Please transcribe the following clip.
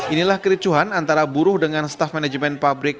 inilah kericuhan antara buruh dengan staff manajemen pabrik